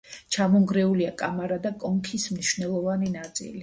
ჩამონგრეულია კამარა და კონქის მნიშვნელოვანი ნაწილი.